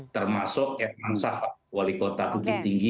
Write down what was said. termasuk erman sah wali kota bukit tinggi